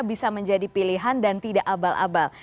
bisa menjadi pilihan dan tidak abal abal